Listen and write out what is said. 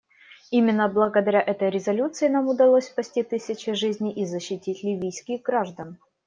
Именно благодаря этой резолюции нам удалось спасти тысячи жизней и защитить ливийских граждан.